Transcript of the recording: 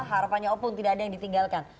harapannya o pung tidak ada yang ditinggalkan